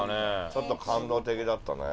ちょっと感動的だったね